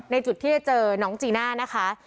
จุดที่จะเจอน้องจีน่านะคะ